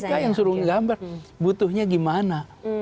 mereka yang suruh gambar butuhnya gimana